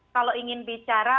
kalau ingin bicara